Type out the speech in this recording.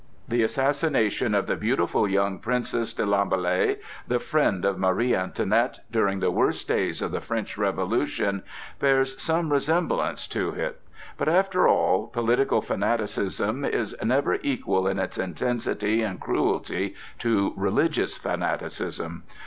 The assassination of the beautiful young Princess de Lamballe, the friend of Marie Antoinette, during the worst days of the French Revolution, bears some resemblance to it; but, after all, political fanaticism is never equal in its intensity and cruelty to religious fanaticism.